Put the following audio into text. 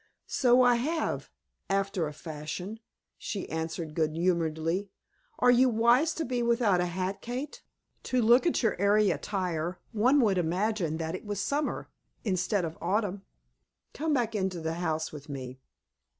"So I have after a fashion," she answered, good humoredly. "Are you wise to be without a hat, Kate? To look at your airy attire one would imagine that it was summer instead of autumn. Come back into the house with me."